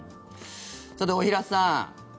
さて、大平さん